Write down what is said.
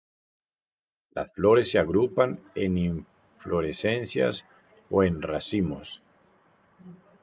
Las flores se agrupan en inflorescencias o en racimos.